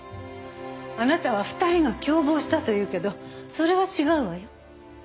あなたは２人が共謀したと言うけどそれは違うわよ。